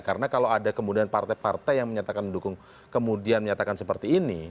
karena kalau ada kemudian partai partai yang menyatakan mendukung kemudian menyatakan seperti ini